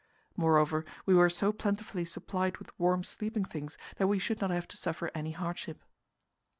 Moreover, we were so plentifully supplied with warm sleeping things that we should not have to suffer any hardship.